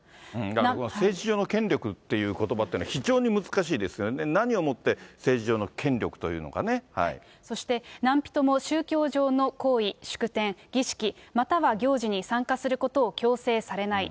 だから政治上の権力っていうことばっていうのは、非常に難しいですよね、何をもって政治上の権力というのかね。そして、何人も、宗教上の行為、祝典、儀式、または行事に参加することを強制されない。